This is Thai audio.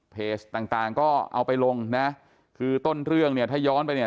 ต่างต่างก็เอาไปลงนะคือต้นเรื่องเนี่ยถ้าย้อนไปเนี่ย